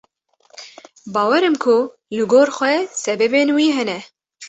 Bawerim ku li gor xwe sebebên wî hene.